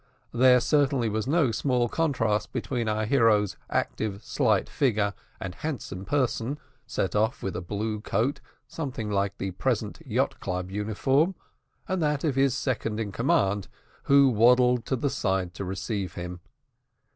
There certainly was no small contrast between our hero's active slight figure and handsome person, set off with a blue coat, something like the present yacht club uniform, and that of his second in command, who waddled to the side to receive him.